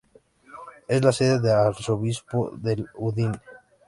Es la sede del Arzobispo de Udine.